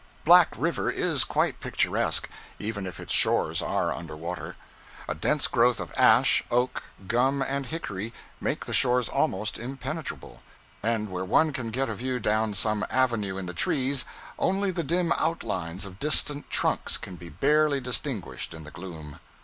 Black River is quite picturesque, even if its shores are under water. A dense growth of ash, oak, gum, and hickory make the shores almost impenetrable, and where one can get a view down some avenue in the trees, only the dim outlines of distant trunks can be barely distinguished in the gloom.